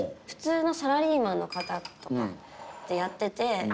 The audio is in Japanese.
普通のサラリーマンの方とかでやってて。